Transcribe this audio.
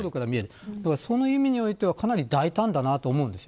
その意味においてはかなり大胆だなと思います。